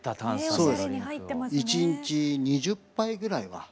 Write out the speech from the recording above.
１日２０杯ぐらいは。